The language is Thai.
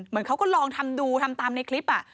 เหมือนเขาก็ลองทำดูทำตามในคลิป